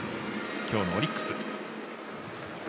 今日のオリックス。